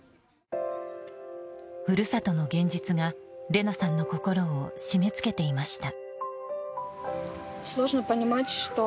故郷の現実がレナさんの心を締め付けていました。